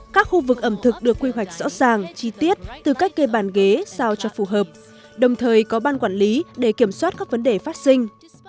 các khu vực ẩm thực được quy hoạch rõ ràng chi tiết từ cách kê bàn ghế sao cho phù hợp đồng thời có ban quản lý để kiểm soát các vấn đề phát sinh